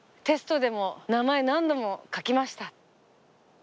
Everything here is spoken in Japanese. テストでも名前何度も書きました。